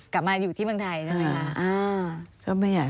กลับมาอยู่ที่เมืองไทยใช่ไหมคะ